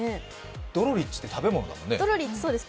ドロリッチって食べ物ですよね。